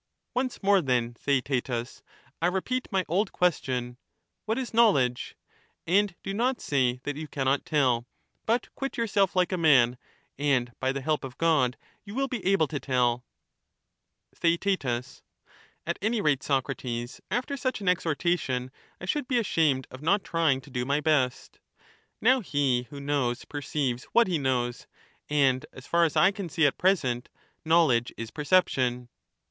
Once more, then, Theaetetus, I repeat my old question, ' What is knowledge ?'— and do not say that you cannot tell ; but quit yourself like a man, and by the help of God you will be able to tell. Digitized by VjOOQIC His first conception. 205 Theaet, At any rate, Socrates, after such an exhortation Thtaetttus, I should be ashamed of not trying to do my best. Now socrates. he who knows perceives what he knows, and, as far as I can theaetetus. see at present, knowledge is perception.